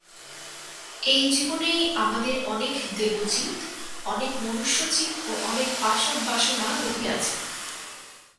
এই জীবনেই আমাদের অনেক দেবোচিত, অনেক মনুষ্যোচিত ও অনেক পাশব বাসনা রহিয়াছে।